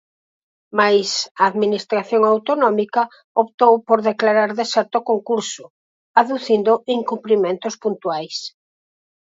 Mais a administración autonómica optou por declarar deserto o concurso, aducindo incumprimentos puntuais.